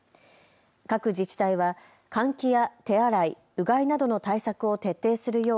各自治体は換気や手洗い、うがいなどの対策を徹底するよう